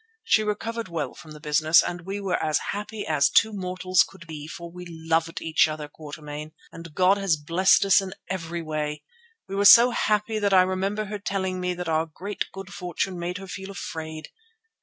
She recovered well from the business and we were as happy as two mortals could be, for we loved each other, Quatermain, and God has blessed us in every way; we were so happy that I remember her telling me that our great good fortune made her feel afraid.